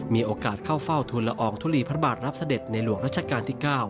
มีโอกาสเข้าเฝ้าทุนละอองทุลีพระบาทรับเสด็จในหลวงรัชกาลที่๙